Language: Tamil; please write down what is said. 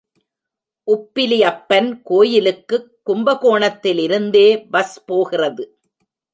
உப்பிலியப்பன் கோயிலுக்குக் கும்பகோணத்திலிருந்தே பஸ் போகிறது.